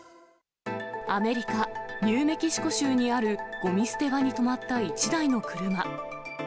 アメリカ・ニューメキシコ州にあるごみ捨て場に止まった１台の車。